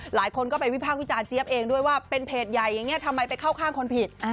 หลายคนก็ไปวิภาควิจารณเจี๊ยบเองด้วยว่าเป็นเพจใหญ่อย่างนี้ทำไมไปเข้าข้างคนผิด